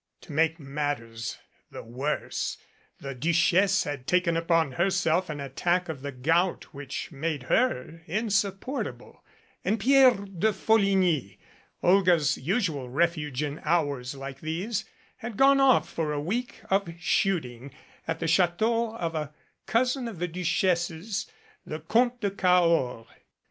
To make matters the worse the Duchesse had taken upon herself an attack of the gout which made her insupporta ble, and Pierre de Folligny, Olga's usual refuge in hours like these, had gone off for a week of shooting at the Cha teau of a cousin of the Duchesse's, the Comte de Cahors.